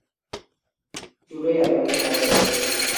দুটোই অ্যালবামে পাওয়া যাবে।